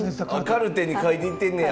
カルテに書いていってんねや。